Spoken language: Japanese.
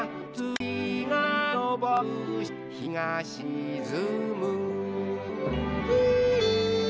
「つきがのぼるしひがしずむ」